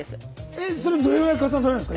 えそれどれぐらい加算されるんですか？